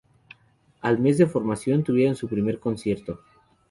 Al mes de formación tuvieron su primer concierto.